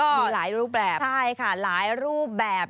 มีหลายรูปแบบใช่ค่ะหลายรูปแบบ